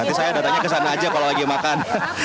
nanti saya datangnya kesana aja kalau lagi makan